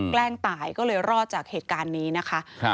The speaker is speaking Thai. แกล้งตายก็เลยรอดจากเหตุการณ์นี้นะคะ